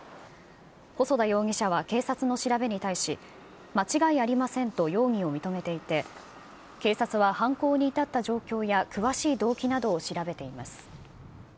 細田容疑者は警察の調べに対し、間違いありませんと容疑を認めていて、警察は犯行に至った状況や詳しい動機などを調べています。